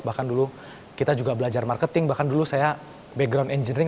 bahkan dulu kita juga belajar marketing bahkan dulu saya background engineering